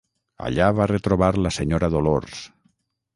Allà va retrobar la senyora Dolors.